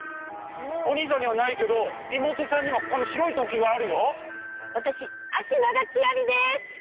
お兄さんにはないけど妹さんにはこの白い突起があるよ！